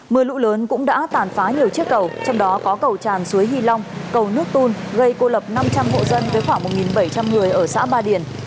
mưa lũ lớn cũng đã tàn phá nhiều chiếc cầu trong đó có cầu tràn suối hi long cầu nước tun gây cô lập năm trăm linh hộ dân với khoảng một bảy trăm linh người ở xã ba điền